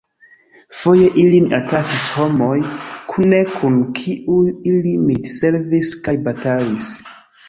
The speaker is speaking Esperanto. Foje ilin atakis homoj, kune kun kiuj ili militservis kaj batalis.